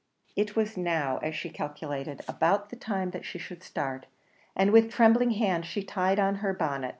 It was now, as she calculated, about the time that she should start; and with trembling hands she tied on her bonnet.